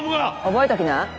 覚えときな。